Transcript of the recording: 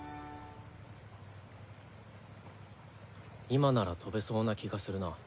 今なら飛べそうな気がするな。